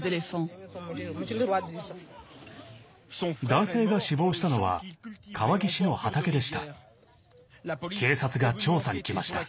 男性が死亡したのは川岸の畑でした。